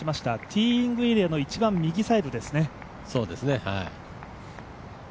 ティーイングエリアの一番右サイドですね。